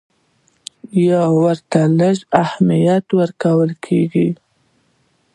یا ورته لږ اهمیت ورکول کېږي.